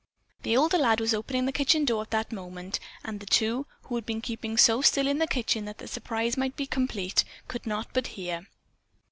The older lad was opening the kitchen door at that moment, and the two, who had been keeping so still in the kitchen that the surprise might be complete, could not but hear.